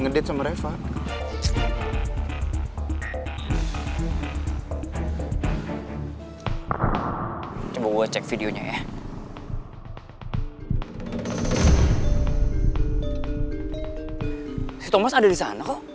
eh dian gak usah